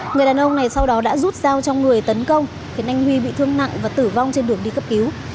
người đàn ông này sau đó đã rút dao trong người tấn công khiến anh huy bị thương nặng và tử vong trên đường đi cấp cứu